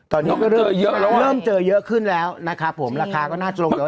ตอนนี้เริ่มเจอเยอะขึ้นแล้วนะครับผมราคาก็น่าจะลงไปว่า